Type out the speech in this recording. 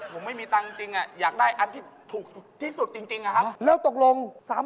แล้วมีกำลังใจนะครับเพราะว่าไปที่รายทะเลบอกซู่